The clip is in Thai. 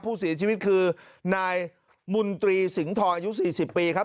ผู้เสียชีวิตคือนายมนตรีสิงหออายุ๔๐ปีครับ